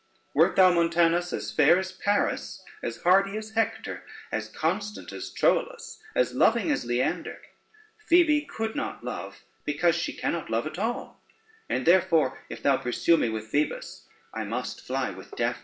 Wert thou, Montanus, as fair as Paris, as hardy as Hector, as constant as Troilus, as loving as Leander, Phoebe could not love, because she cannot love at all: and therefore if thou pursue me with Phoebus, I must fly with Daphne."